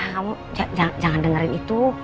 kamu jangan dengerin itu